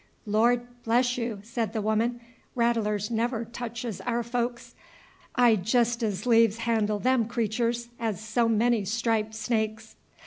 "Lord bless you," said the woman, "rattlers never touches our folks. I'd jest 'z lieves handle them creaturs as so many striped snakes."